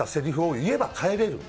言えば帰れる、台本。